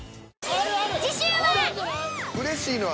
次週は。